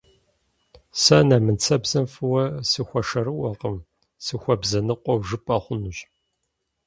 Сэ нэмыцэбзэм фӏыуэ сыхуэшэрыуэкъым, сыхуэбзэныкъуэу жыпӏэ хъунущ.